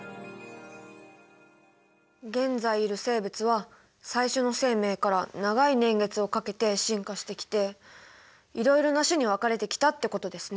現在いる生物は最初の生命から長い年月をかけて進化してきていろいろな種に分かれてきたってことですね。